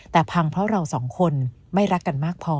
แต่พังเพราะเราสองคนไม่รักกันมากพอ